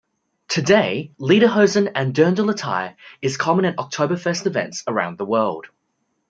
Today, lederhosen and dirndl attire is common at Oktoberfest events around the world.